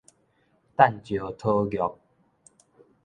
擲石討玉